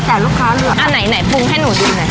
แต่ลูกค้าเลือกอันไหนปรุงให้หนูดูหน่อย